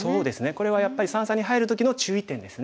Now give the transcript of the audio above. これはやっぱり三々に入る時の注意点ですね。